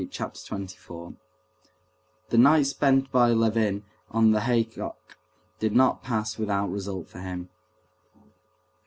Chapter 24 The night spent by Levin on the haycock did not pass without result for him.